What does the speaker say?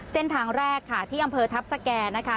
เส้นทางแรกค่ะที่อำเภอทัพสแก่นะคะ